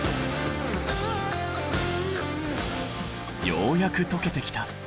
ようやくとけてきた。